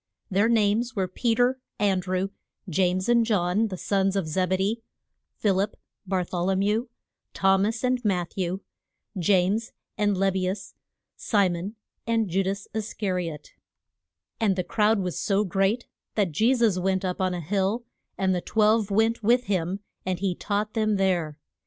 Their names were Pe ter, An drew, James and John, the sons of Zeb e dee, Phil ip, Bar thol o mew, Thom as and Matth ew, James and Leb be us, Si mon and Ju das Is ca ri ot. [Illustration: THE SER MON ON THE MOUNT.] And the crowd was so great that Je sus went up on a hill, and the twelve went with him and he taught them there.